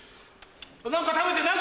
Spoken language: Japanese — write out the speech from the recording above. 何か食べてる。